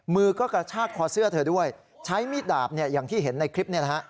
มือก็กระชากคอเสื้อเธอด้วยใช้มีดดาบอย่างที่เห็นในคลิปนี้นะฮะ